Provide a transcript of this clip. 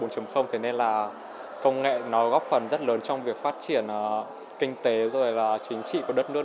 thế nên là công nghệ nó góp phần rất lớn trong việc phát triển kinh tế rồi và chính trị của đất nước